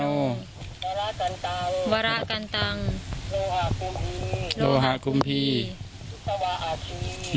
สวัสดีครับสวัสดีครับ